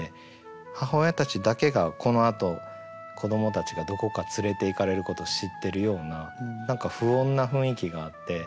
母親たちだけがこのあと子どもたちがどこか連れていかれること知ってるような何か不穏な雰囲気があって。